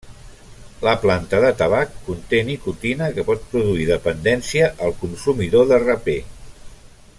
La planta de tabac conté nicotina, que pot produir dependència al consumidor de rapè.